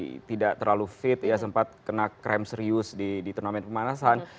kemarin masih tidak terlalu fit ya sempat kena krim serius di turnamen pemanasan